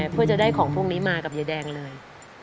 เพื่อจะได้ของพวกนี้มากับยายแดงเลย